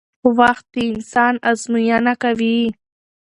وخت د انسان ازموینه کوي